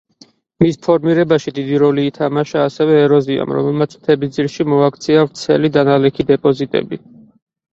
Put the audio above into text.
მის ფორმირებაში დიდი როლი ითამაშა ასევე ეროზიამ, რომელმაც მთების ძირში მოაქცია ვრცელი დანალექი დეპოზიტები.